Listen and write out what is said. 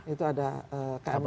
itu ada km krapu